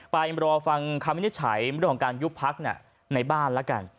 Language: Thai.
ไปรอฟังคำวินิจฉัยเรื่องของการยุบพักในบ้านแล้วกัน